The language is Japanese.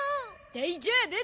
大丈夫。